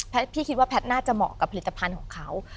พี่คิดว่าแพทย์น่าจะเหมาะกับผลิตภัณฑ์ของเขา